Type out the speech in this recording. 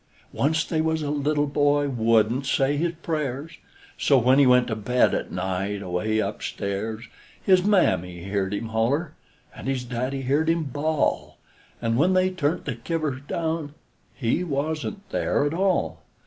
Onc't they was a little boy wouldn't say his prayers, So when he went to bed at night, away up stairs, His Mammy heerd him holler, an' his Daddy heerd him bawl, An' when they turn't the kivers down, he wasn't there at all!